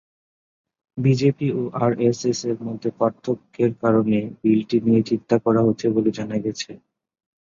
BJP ও আরএসএস-এর মধ্যে পার্থক্যের কারণে বিলটি নিয়ে চিন্তা করা হচ্ছে বলে জানা গেছে।